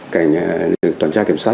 cảnh toàn tra kiểm soát